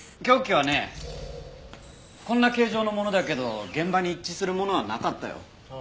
凶器はねこんな形状のものだけど現場に一致するものはなかったよ。